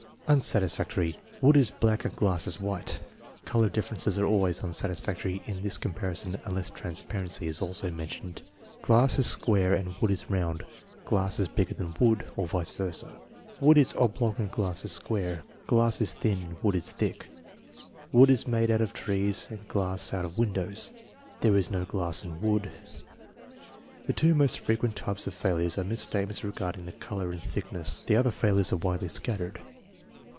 Unsatisfactory. "Wood is black and glass is white." (Color differences are always unsatisfactory in this comparison unless transparency is also mentioned.) "Glass is square and wood is round.' '" Glass is bigger than wood " (or vice versa) ." Wood is ob long and glass is square." "Glass is thin and wood is thick." " Wood is made out of trees and glass out of windows." "There is no glass in wood." The two most frequent types of failures are misstatements re garding color and thickness. The other failures are widely scattered.